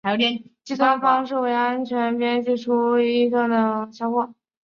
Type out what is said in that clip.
计算方式为安全边际除以预计的销货。